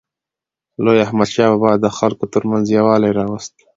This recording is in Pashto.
لوی احمدشاه بابا د خلکو ترمنځ یووالی راوست.